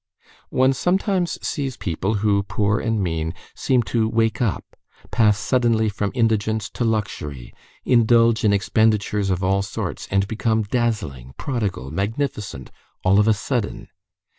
One sometimes sees people, who, poor and mean, seem to wake up, pass suddenly from indigence to luxury, indulge in expenditures of all sorts, and become dazzling, prodigal, magnificent, all of a sudden.